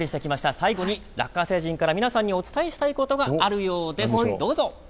最後にラッカ星人から皆さんにお伝えしたいことがあるようです。